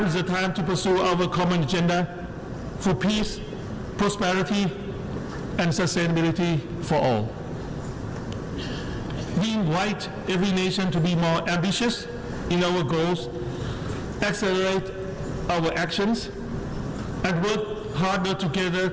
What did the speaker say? เดิมเรื่องเรื่องไฟที่คาดดีกว่าท่านพรีมกันและให้สามเรื่องมันสร้างการใหม่ได้